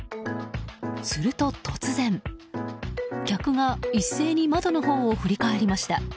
すると突然、客が一斉に窓のほうを振り返りました。